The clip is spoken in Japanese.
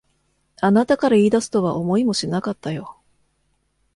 あなたから言い出すとは思いもしなかったよ。